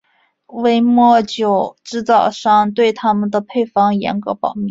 威末酒制造商对他们的配方严格保密。